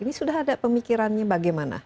ini sudah ada pemikirannya bagaimana